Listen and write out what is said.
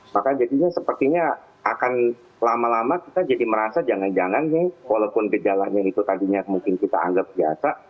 maka jadinya sepertinya akan lama lama kita jadi merasa jangan jangan nih walaupun gejalanya itu tadinya mungkin kita anggap biasa